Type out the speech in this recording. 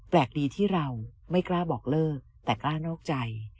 ดีที่เราไม่กล้าบอกเลิกแต่กล้านอกใจ